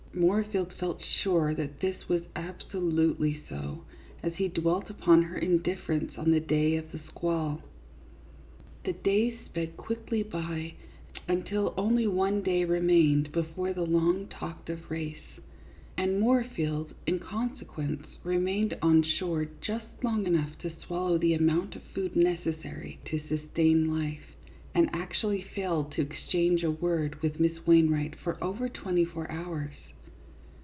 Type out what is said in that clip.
Moorfield felt sure that this was absolutely so, as he dwelt upon her indifference on the day of the squall. The days sped quickly by, until only one day remained before the long talked of race, and Moor field, in consequence, remained on shore just long enough to swallow the amount of food necessary to sustain life, and actually failed to exchange a word with Miss Wainwright for over twenty four hours.